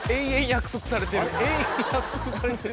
永遠約束されてる。